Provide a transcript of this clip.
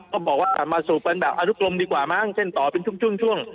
ก็บอกว่ามาสูบกันแบบอนุกลมดีกว่ามั้งเส้นต่อเป็นช่วง